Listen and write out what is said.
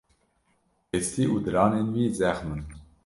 Hestî û diranên wî zexm in.